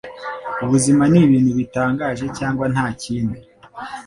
Ubuzima nibintu bitangaje cyangwa ntakindi.